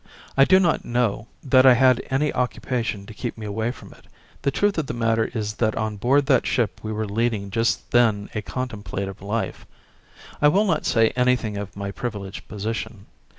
I do not know that I had any occupation to keep me away from it; the truth of the matter is that on board that ship we were leading just then a contemplative life. I will not say anything of my privileged position.